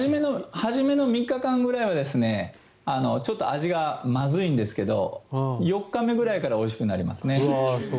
始めの３日間くらいはちょっと味がまずいんですけど４日目ぐらいからおいしくなりますね。